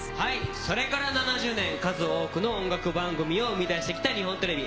それから７０年、数多くの音楽番組を生み出してきた日本テレビ。